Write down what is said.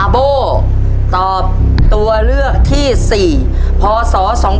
โบ้ตอบตัวเลือกที่๔พศ๒๕๖